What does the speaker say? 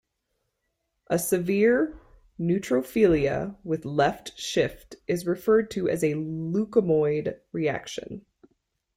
A severe neutrophilia with left shift is referred to as a leukemoid reaction.